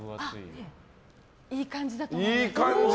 いい感じだと思います。